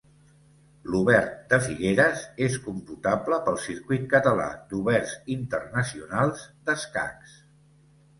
L'Obert de Figueres és computable pel Circuit Català d'Oberts Internacionals d'Escacs.